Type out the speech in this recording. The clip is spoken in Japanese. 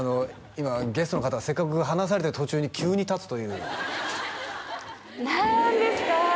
今ゲストの方がせっかく話されてる途中に急に立つという何ですか？